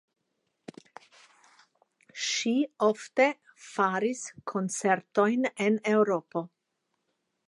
Ŝi ofte faris koncertojn en Eŭropo.